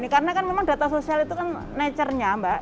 karena kan memang data sosial itu kan nature nya mbak